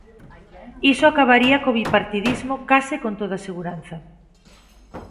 Iso acabaría co bipartidismo case con toda seguranza.